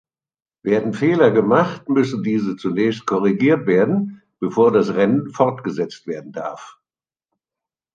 Werden Fehler gemacht, müssen diese zunächst korrigiert werden, bevor das Rennen fortgesetzt werden darf.